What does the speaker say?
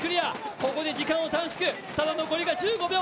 ここで時間を短縮、ただ残りが１５秒。